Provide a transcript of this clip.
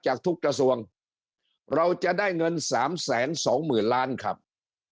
จากทุกกระทรวงเราจะได้เงินสามแสนสองหมื่นล้านครับ